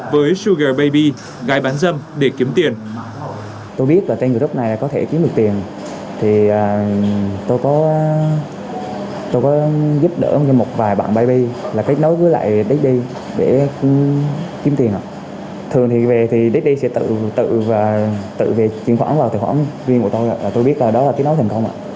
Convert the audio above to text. với sugar baby gái bán dâm để kiếm tiền